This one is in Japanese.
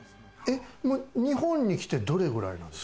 日本に来てどれくらいなんです？